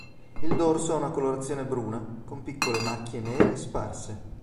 Il dorso ha una colorazione bruna con piccole macchie nere sparse.